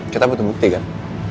kita butuh bukti kan